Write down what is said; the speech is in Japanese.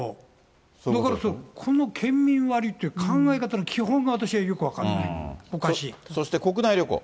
だから、この県民割って考え方の基本が、私はよく分からない、そして国内旅行。